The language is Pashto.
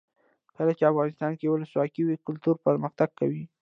کله چې افغانستان کې ولسواکي وي کلتور پرمختګ کوي.